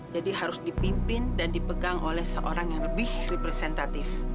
jadi harus dipimpin dan dipegang oleh seorang yang lebih representatif